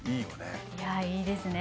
いやいいですね。